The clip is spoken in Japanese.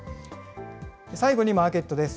最後にマーケットです。